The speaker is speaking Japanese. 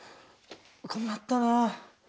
困ったな。